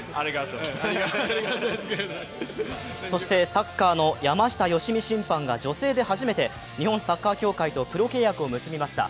サッカーの山下良美審判が女性で初めて日本サッカー協会とプロ契約を結びました。